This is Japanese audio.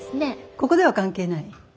ここでは関係ない。